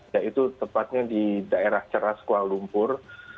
yaitu tepatnya di daerah ceras kuala lumpur